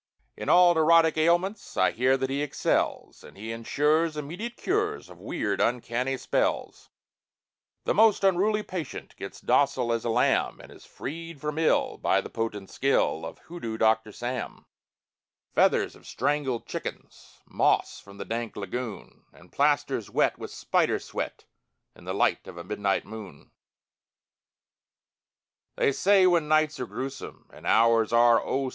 _ In all neurotic ailments I hear that he excels, And he insures Immediate cures Of weird, uncanny spells; The most unruly patient Gets docile as a lamb And is freed from ill by the potent skill Of Hoodoo Doctor Sam; Feathers of strangled chickens, Moss from the dank lagoon, And plasters wet With spider sweat In the light of a midnight moon! They say when nights are grewsome And hours are, oh!